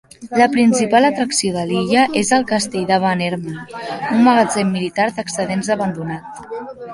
La principal atracció de l'illa és el castell de Bannerman, un magatzem militar d'excedents abandonat.